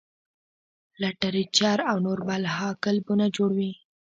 لټرېچر او نور بلها کلبونه جوړ وي -